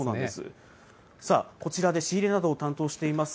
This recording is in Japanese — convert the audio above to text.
さあ、こちらで仕入れなどを担当しています